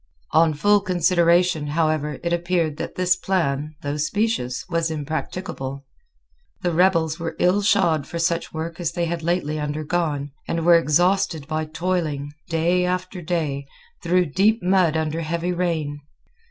On full consideration, however, it appeared that this plan, though specious, was impracticable. The rebels were ill shod for such work as they had lately undergone, and were exhausted by toiling, day after day, through deep mud under heavy rain.